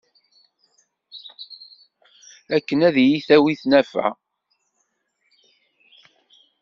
Akken ad iyi-tawi tnafa.